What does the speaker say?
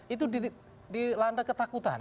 itu dilanda ketakutan